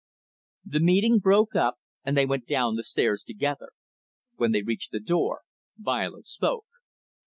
The meeting broke up, and they went down the stairs together. When they reached the door, Violet spoke.